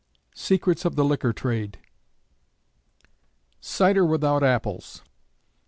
SECRETS OF THE LIQUOR TRADE. _Cider Without Apples.